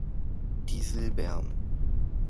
Die Silberm